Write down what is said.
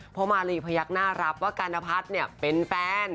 เพราะว่ามารีพยักษ์น่ารับว่าการณพัฒน์เป็นแฟน